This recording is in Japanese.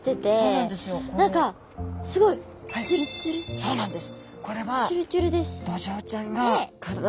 何かそうなんです。